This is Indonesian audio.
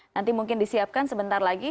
nanti mungkin disiapkan sebentar lagi